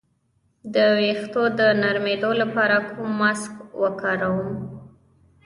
د ویښتو د نرمیدو لپاره کوم ماسک وکاروم؟